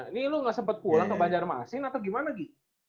nah ini lu gak sempet pulang ke bajar masin atau gimana gi